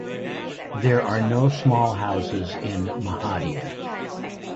There are no small houses in Mehadia.